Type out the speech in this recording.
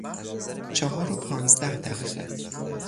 چهار و پانزده دقیقه